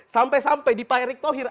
sampai sampai di pak erick thohir